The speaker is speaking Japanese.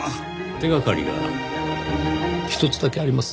手掛かりがひとつだけあります。